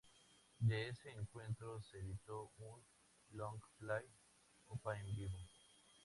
De ese encuentro se editó un Long Play "Opa En Vivo".